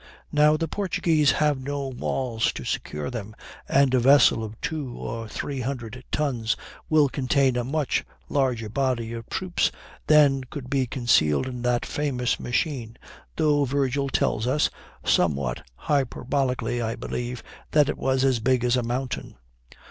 Now the Portuguese have no walls to secure them, and a vessel of two or three hundred tons will contain a much larger body of troops than could be concealed in that famous machine, though Virgil tells us (somewhat hyperbolically, I believe) that it was as big as a mountain.